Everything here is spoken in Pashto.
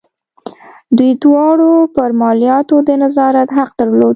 دوی دواړو پر مالیاتو د نظارت حق درلود.